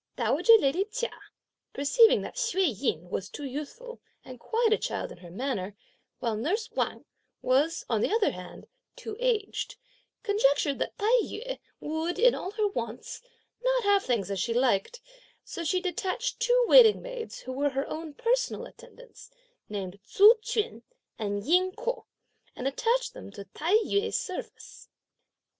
Dowager lady Chia, perceiving that Hsüeh Yen was too youthful and quite a child in her manner, while nurse Wang was, on the other hand, too aged, conjectured that Tai yü would, in all her wants, not have things as she liked, so she detached two waiting maids, who were her own personal attendants, named Tzu Chüan and Ying Ko, and attached them to Tai yü's service.